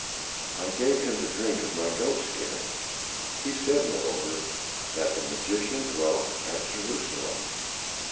I gave him to drink of my goat skin. He said, moreover, that the magician dwelt at Jerusalem."